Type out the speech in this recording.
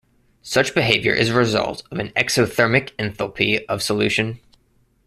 Such behavior is a result of an exothermic enthalpy of solution.